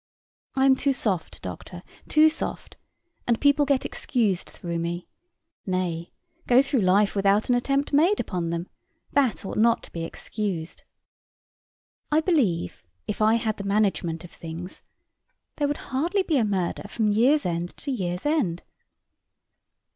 I am too soft Doctor, too soft; and people get excused through me nay, go through life without an attempt made upon them, that ought not to be excused. I believe if I had the management of things, there would hardly be a murder from year's end to year's end.